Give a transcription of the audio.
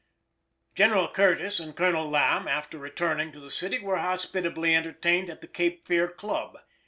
General Curtis and Colonel Lamb, after returning to the city, were hospitably entertained at the Cape Fear Club.